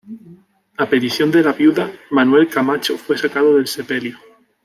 A petición de la viuda, Manuel Camacho fue sacado del sepelio.